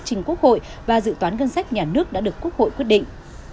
trình quốc hội và dự toán ngân sách nhà nước đã được quốc hội quyết định